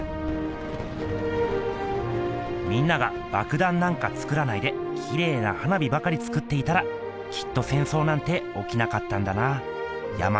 「みんなが爆弾なんかつくらないできれいな花火ばかりつくっていたらきっと戦争なんて起きなかったんだな山下清」。